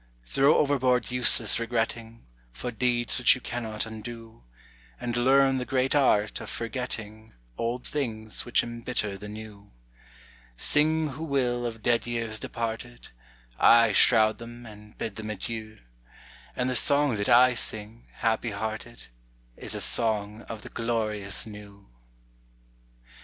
Throw overboard useless regretting For deeds which you cannot undo, And learn the great art of forgetting Old things which embitter the new. Sing who will of dead years departed, I shroud them and bid them adieu, And the song that I sing, happy hearted, Is a song of the glorious new.